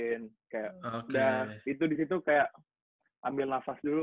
dan itu disitu kayak ambil nafas dulu